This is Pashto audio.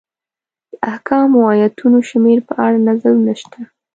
د احکامو ایتونو شمېر په اړه نظرونه شته.